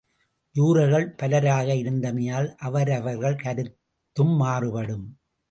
ஜூரர்கள் பலராக இருந்தமையால், அவரவர்கள் கருத்தும் மாறுபடும்.